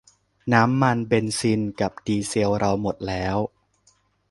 น้ำมันเบนซิลกับดีเซลเราหมดแล้ว